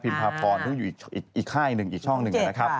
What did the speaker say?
พิมพาพรต้องอยู่อีกข้ายหนึ่งอีกช่องหนึ่ง